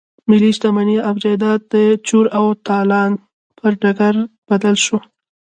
ملي شتمني او جايداد د چور او تالان پر ډګر بدل شو.